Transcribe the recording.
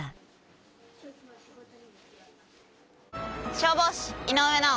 消防士井上奈緒。